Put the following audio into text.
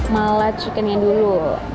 malat chickennya dulu